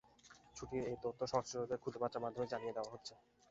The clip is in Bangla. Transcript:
ছুটির এই তথ্য সংশ্লিষ্টদের খুদে বার্তার মাধ্যমে জানিয়ে দেওয়া হচ্ছে।